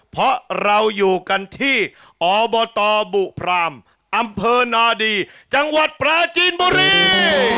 เพราะเราอยู่กันที่อบตบุพรามอำเภอนาดีจังหวัดปราจีนบุรี